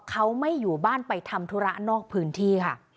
เขาไม่อยู่บ้านไปทำธุระนอกพื้นที่ค่ะ